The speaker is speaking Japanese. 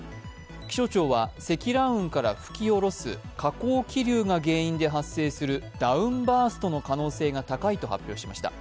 気象庁は積乱雲から吹き降ろす下降気流が原因で発生するダウンバーストの可能性が高いと発表しました。